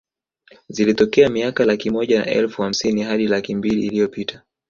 Zilitokea miaka laki moja na elfu hamsini hadi laki mbili iliyopita